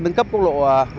nâng cấp quốc lộ một mươi tám